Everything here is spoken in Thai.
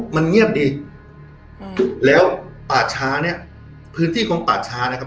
มันเงียบดีอืมแล้วป่าช้าเนี้ยพื้นที่ของป่าช้านะครับ